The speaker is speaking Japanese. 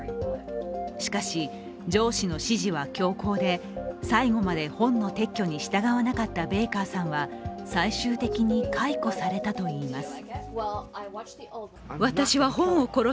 しかし、上司の指示は強硬で最後まで本の撤去に従わなかったベイカーさんは最終的に解雇されたといいます。